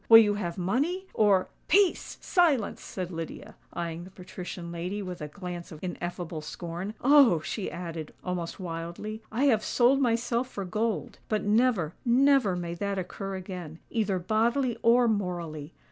Will you have money? or——" "Peace!—silence!" said Lydia, eyeing the patrician lady with a glance of ineffable scorn. "Oh!" she added, almost wildly, "I have sold myself for gold;—but never—never may that occur again; either bodily or morally!